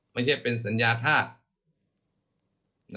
ไม่ใช่เป็นสัญญาธาตุ